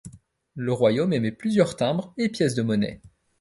Le royaume émet plusieurs timbres et pièces de monnaie.